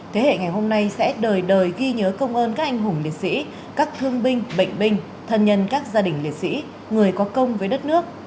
thế hệ ngày hôm nay sẽ đời đời ghi nhớ công ơn các anh hùng liệt sĩ các thương binh bệnh binh thân nhân các gia đình liệt sĩ người có công với đất nước